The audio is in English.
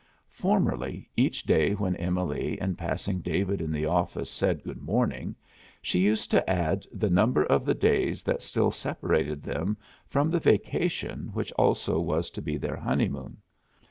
Formerly, each day when Emily in passing David in the office said good morning, she used to add the number of the days that still separated them from the vacation which also was to be their honeymoon.